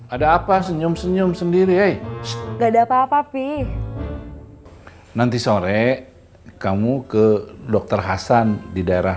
ada apa senyum senyum sendiri eh gak ada apa apa p nanti sore kamu ke dokter hasan di daerah